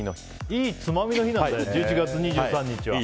いいつまみの日なんだ１１月２３日は。